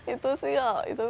itu sih ya